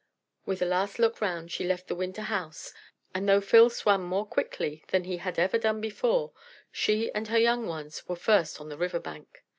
With a last look round she left the winter house, and though Phil swam more quickly than he had ever done before, she and her young ones were first on the river bank.